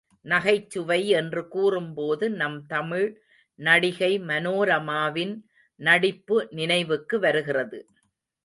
நகைச்சுவை என்று கூறும்போது நம் தமிழ் நடிகை மனோரமாவின் நடிப்பு நினைவுக்கு வருகிறது.